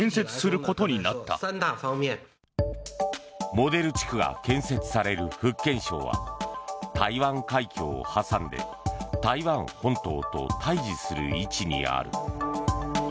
モデル地区が建設される福建省は台湾海峡を挟んで台湾本島と対峙する位置にある。